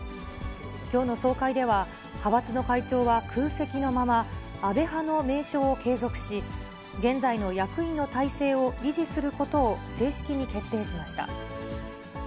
きょうの総会では派閥の会長は空席のまま、安倍派の名称を継続し、現在の役員の体制を維持することを正式に決定しました。